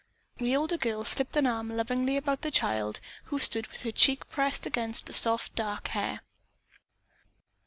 The older girl slipped an arm lovingly about the child, who stood with her cheek pressed against the soft dark hair.